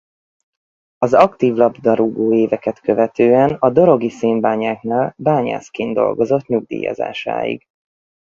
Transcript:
Az aktív labdarúgó éveket követően a Dorogi Szénbányáknál bányászként dolgozott nyugdíjazásáig.